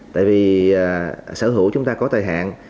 tại vì sở hữu chúng ta có thời hạn